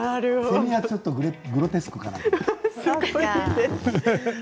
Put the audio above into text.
セミはちょっとグロテスクかなと。